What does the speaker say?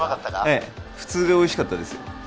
ええ普通でおいしかったですよ